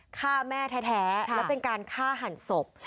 ฆ่าแม่แท้และเป็นการฆ่าหันศพ